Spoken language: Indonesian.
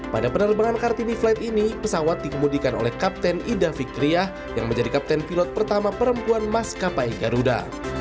pada penerbangan kartini flight ini pesawat dikemudikan oleh kapten ida fikriah yang menjadi kapten pilot pertama perempuan maskapai garuda